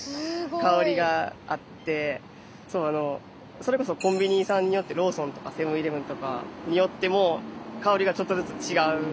それこそコンビニさんによってローソンとかセブンイレブンとかによっても香りがちょっとずつ違うんで。